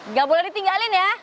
nggak boleh ditinggalin ya